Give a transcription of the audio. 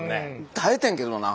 耐えてんけどな。